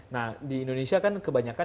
nah di indonesia kan kebanyakan